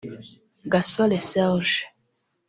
Gasore Serge